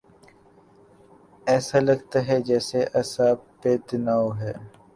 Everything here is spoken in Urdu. ایسا لگتاہے جیسے اعصاب پہ تناؤ ہے۔